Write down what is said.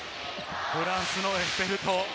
フランスのエッフェル塔。